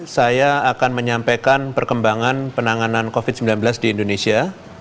saya akan menyampaikan perkembangan penanganan covid sembilan belas di indonesia